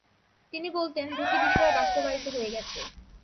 তিনি বলতেন, দুটি বিষয় বাস্তবায়িত হয়ে গেছে।